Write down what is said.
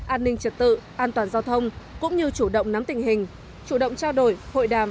an ninh trật tự an toàn giao thông cũng như chủ động nắm tình hình chủ động trao đổi hội đàm